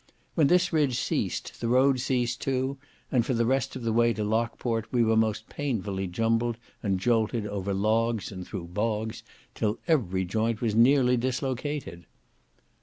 When this ridge ceased, the road ceased too, and for the rest of the way to Lockport, we were most painfully jumbled and jolted over logs and through bogs, till every joint was nearly dislocated.